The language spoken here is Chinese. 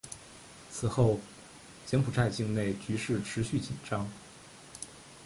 此后柬埔寨境内局势持续紧张。